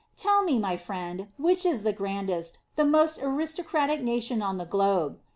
Tell me, my friend, which is the grandest, the most aristocratic nation on the globe.